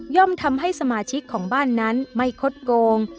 ทำให้สมาชิกของบ้านนั้นไม่คดโกง